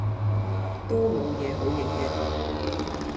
都冇野好影既